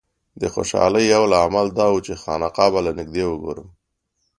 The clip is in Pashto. د خوشالۍ یو لامل دا و چې خانقاه به له نږدې وګورم.